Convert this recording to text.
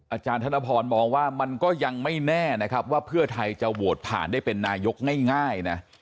อาจารย์ธนพรมองว่ามันก็ยังไม่แน่นะครับว่าเพื่อไทยจะโหวตผ่านได้เป็นนายกง่ายนะ